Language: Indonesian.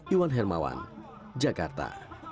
iwan hermawan jakarta